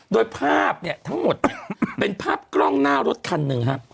โดยภาพเนี่ยทั้งหมดเนี่ยเป็นภาพกล้องหน้ารถคันหนึ่งครับ